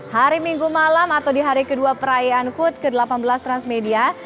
hari minggu malam atau di hari kedua perayaan hut ke delapan belas transmedia